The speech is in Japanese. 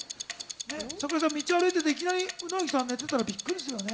桜井さん、道を歩いていていきなり鰻さんが寝てたらびっくりするよね。